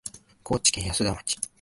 高知県安田町